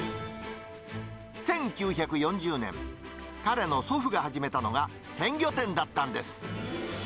１９４０年、彼の祖父が始めたのは鮮魚店だったんです。